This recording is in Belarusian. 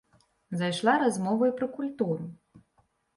Зайшла размова і пра культуру.